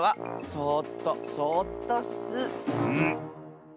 そっとそっと。